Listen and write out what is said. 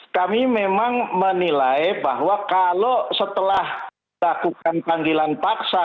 kami memang menilai bahwa kalau setelah lakukan panggilan paksa